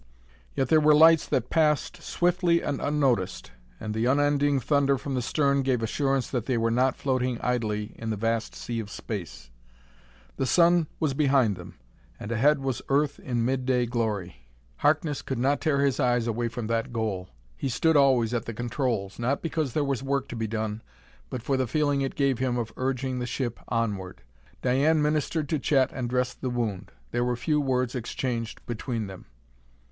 Yet there were lights that passed swiftly and unnoticed, and the unending thunder from the stern gave assurance that they were not floating idly in the vast sea of space. The sun was behind them, and ahead was Earth in midday glory; Harkness could not tear his eyes away from that goal. He stood always at the controls, not because there was work to be done, but for the feeling it gave him of urging the ship onward. Diane ministered to Chet and dressed the wound. There were few words exchanged between them.